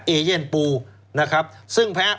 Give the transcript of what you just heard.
เอเย่นปูซึ่งแพ้